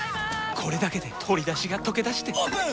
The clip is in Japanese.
これだけで鶏だしがとけだしてオープン！